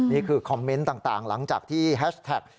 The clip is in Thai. นี่คือคอมเมนต์ต่างหลังจากที่แฮชแท็ก